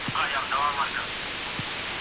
موږ د معنوي کلتور بېلګې هم لرو.